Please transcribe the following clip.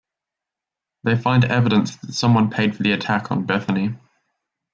They find evidence that someone paid for the attack on Bethany.